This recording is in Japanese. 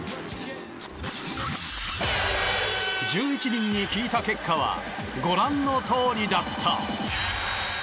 １１人に聞いた結果はご覧のとおりだった。